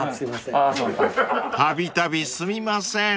［たびたびすみません］